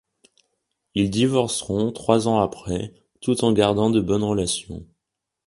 Ils divorceront trois ans après, tout en gardant de bonnes relations.